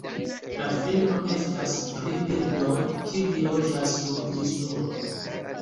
La filmo estas pri birdoj, kiuj loĝas sur insulo.